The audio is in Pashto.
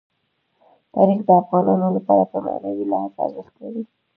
تاریخ د افغانانو لپاره په معنوي لحاظ ارزښت لري.